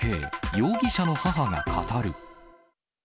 容疑者の母が語る。